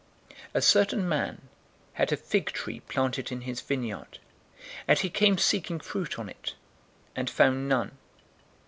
"A certain man had a fig tree planted in his vineyard, and he came seeking fruit on it, and found none.